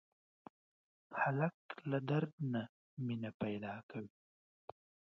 هلک له درد نه مینه پیدا کوي.